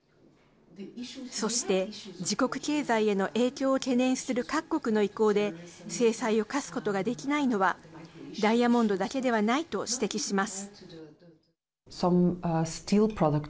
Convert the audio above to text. そして自国経済への影響を懸念する各国の意向で制裁を科すことができないのはダイヤモンドだけではないと指摘します。